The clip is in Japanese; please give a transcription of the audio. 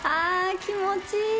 気持ちいい！